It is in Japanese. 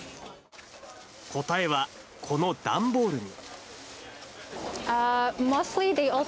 答えはこの段ボールに。